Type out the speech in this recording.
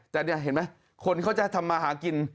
แต่นี่เห็นไหมคนเขาจะทำมาหากิน